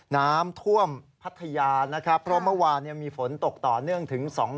น้ำท่วมพัทยานะครับมะว่ามีฝนตกต่อเนื่องถึง๒ชั่วโมง